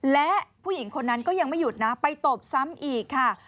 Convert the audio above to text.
และผู้หญิงคนนั้นก็ยังไม่หยุดนะไปตบซ้ำอีกค่ะ